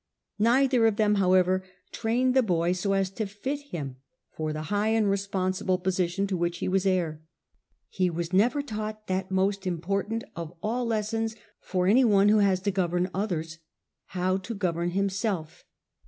Neither of them, however, trained the boy so as to fit him for the high and responsible position to which he was heir; he was never taught that most important of all lessons for anyone who has to govern others — how to govern himself.